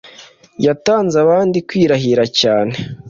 Yatanze abandi kwirahira cyane